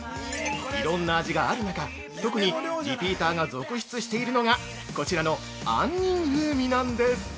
いろんな味がある中、特にリピーターが続出しているのがこちらの杏仁風味なんです。